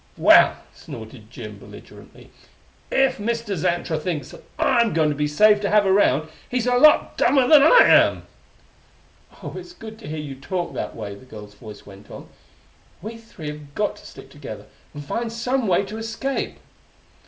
"Well," snorted Jim belligerently, "if Mr. Xantra thinks that I'm going to be safe to have around, he's a lot dumber than I am!" "Oh, it's good to hear you talk that way," the girl's voice went on. "We three have got to stick together, and find some way to escape!